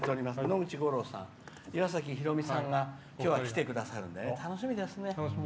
野口五郎さん、岩崎宏美さんがきょうは、きてくださるので楽しみですね。